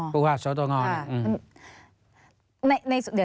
พูดว่าสวตะงอ